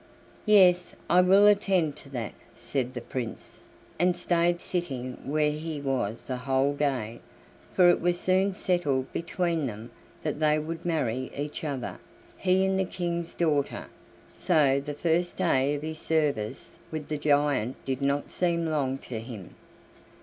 "Yes, I will attend to that," said the Prince, and stayed sitting where he was the whole day, for it was soon settled between them that they would marry each other, he and the King's daughter; so the first day of his service with the giant did not seem long to him.